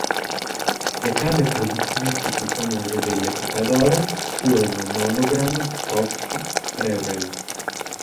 Le case produttrici più famose dell'epoca d'oro furono Monogram, Cox, Revell.